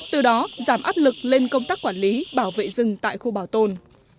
từ đó giảm áp lực lên công tác quản lý bảo vệ rừng tại khu bảo tồn